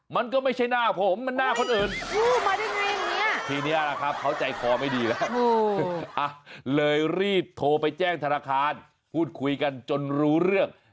มันก็ไม่ใช่หน้าผมมันหน้าคนอื่น